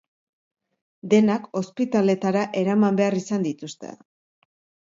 Denak ospitaletara eraman behar izan dituzte.